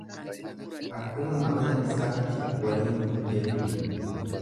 Akkuma amala isaatti waliin bulu jechuudha.